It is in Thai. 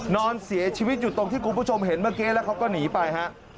นอนเสียชีวิตอยู่ตรงที่คุณผู้ชมเห็นเมื่อกี้แล้วเขาก็หนีไปฮะ